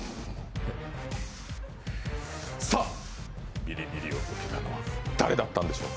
ビリビリを受けたのは誰だったんでしょうか。